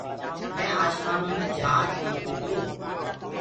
مينٚ آشمآنو مي جھآج ديکرو تو۔